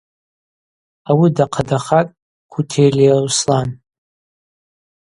Ауи дахъадахатӏ Кутелиа Руслан.